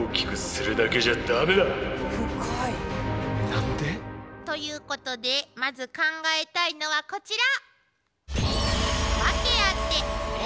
何で？ということでまず考えたいのはこちら！